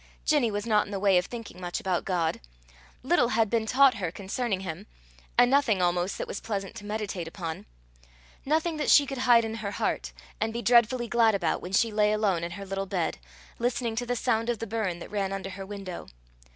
Ginny was not in the way of thinking much about God. Little had been taught her concerning him, and nothing almost that was pleasant to meditate upon nothing that she could hide in her heart, and be dreadfully glad about when she lay alone in her little bed, listening to the sound of the burn that ran under her window.